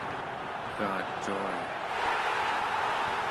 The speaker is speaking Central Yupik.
egacuayak